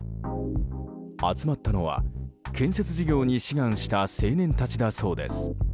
集まったのは建設事業に志願した青年たちだそうです。